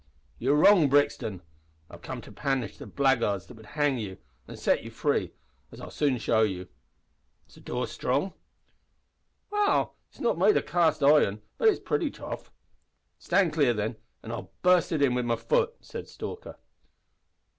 "You're wrong, Brixton; I've come to punish the blackguards that would hang you, an' set you free, as I'll soon show you. Is the door strong?" "Well, it's not made o' cast iron, but it's pretty tough." "Stand clear, then, an' I'll burst it in wi' my foot," said Stalker.